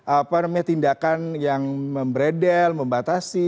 apa namanya tindakan yang membredel membatasi